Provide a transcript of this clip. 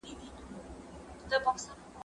که وخت وي، اوبه پاکوم؟